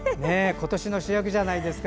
今年の主役じゃないですか。